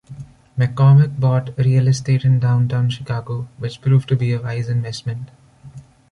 McCormick bought real estate in downtown Chicago which proved to be a wise investment.